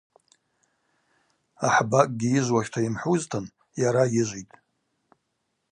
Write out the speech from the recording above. Ахӏбакӏгьи йыжвуашта йымхӏвузтын йара йыжвитӏ.